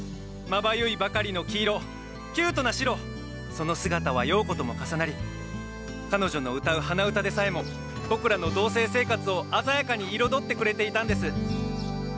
まばゆいばかりの黄色キュートな白その姿はよう子とも重なり彼女の歌う鼻歌でさえも僕らの同棲生活を鮮やかに彩ってくれていたんです。